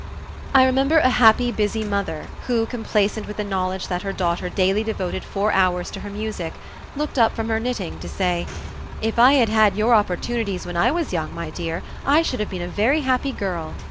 I remember a happy busy mother who, complacent with the knowledge that her daughter daily devoted four hours to her music, looked up from her knitting to say, "If I had had your opportunities when I was young, my dear, I should have been a very happy girl.